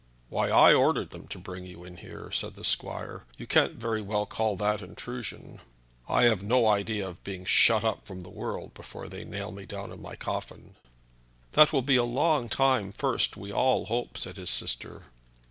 "Why, I ordered them to bring you in here," said the squire; "you can't very well call that intrusion. I have no idea of being shut up from the world before they nail me down in my coffin." "That will be a long time first, we all hope," said his sister.